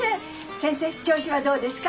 先生調子はどうですか？